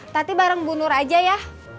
tapi bareng bu nur aja ya